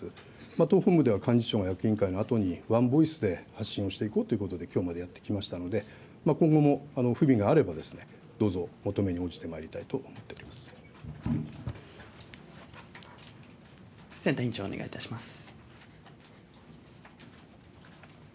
党本部では幹事長が役員会のあとにワンボイスで発信をしていくということで、きょうまでやってきましたので、今後も不備があれば、どうぞ求めに応じてまいりたいと選対委員長お願いいたします。